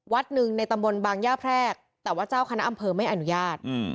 หนึ่งในตำบลบางย่าแพรกแต่ว่าเจ้าคณะอำเภอไม่อนุญาต